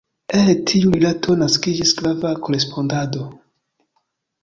El tiu rilato naskiĝis grava korespondado.